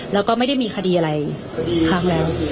แล้วก็ไม่ได้มีคดีอะไรครั้งแล้ว